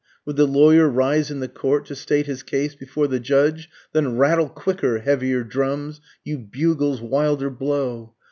Would the lawyer rise in the court to state his case before the judge? Then rattle quicker, heavier drums you bugles wilder blow.